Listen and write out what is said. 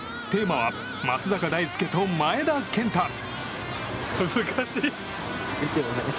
テーマは松坂大輔と前田健太。